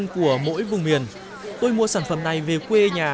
của mỗi vùng miền tôi mua sản phẩm này về quê nhà